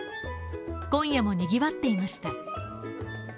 今夜もにぎわっていました。